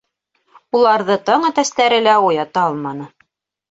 Уларҙы таң әтәстәре лә уята алманы.